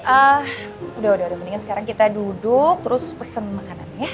eh udah udah mendingan sekarang kita duduk terus pesen makanan ya